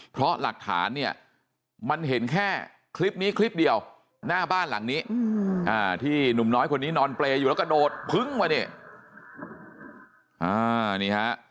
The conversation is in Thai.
เพราะหลักฐานเนี่ยมันเห็นแค่คลิปนี้คลิปเดียวหน้าบ้านหลังนี้ที่หนุ่มน้อยคนนี้นอนเปรย์อยู่แล้วกระโดดพึ้งมาเนี่ย